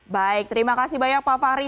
baik terima kasih banyak pak fahri